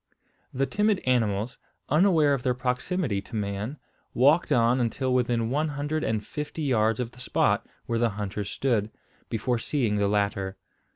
The timid animals, unaware of their proximity to man, walked on until within one hundred and fifty yards of the spot where the hunters stood, before seeing the latter.